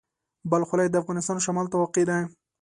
بلخ ولایت د افغانستان شمال ته واقع دی.